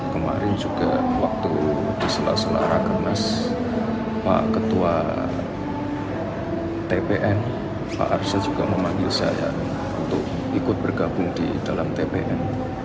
kemarin juga waktu diselara selara kemas pak ketua tpn pak arsa juga memanggil saya untuk ikut bergabung di dalam tpn